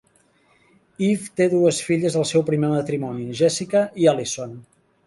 Eve té dues filles del seu primer matrimoni, Jessica i Alison.